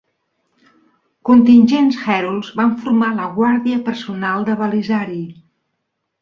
Contingents hèruls van formar la guàrdia personal de Belisari.